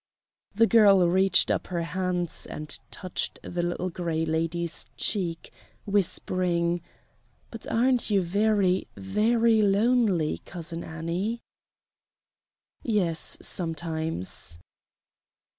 The girl reached up her hands and touched the Little Gray Lady's cheek, whispering: "But aren't you very, very lonely. Cousin Annie?" "Yes, sometimes."